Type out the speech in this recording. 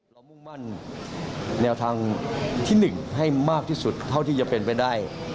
มุ่งมั่นแนวทางที่๑ให้มากที่สุดเท่าที่จะเป็นไปได้